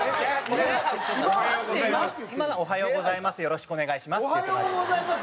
おはようございます。